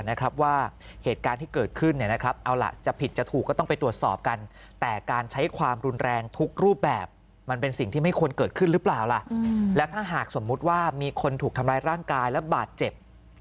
นะครับว่าเหตุการณ์ที่เกิดขึ้นเนี่ยนะครับเอาล่ะจะผิดจะถูกก็ต้องไปตรวจสอบกันแต่การใช้ความรุนแรงทุกรูปแบบมันเป็นสิ่งที่ไม่ควรเกิดขึ้นหรือเปล่าล่ะแล้วถ้าหากสมมุติว่ามีคนถูกทำร้ายร่างกายและบาดเจ็บ